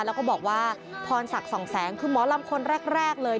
แล้วก็บอกว่าพรศักดิ์สองแสงคือหมอลำคนแรกเลย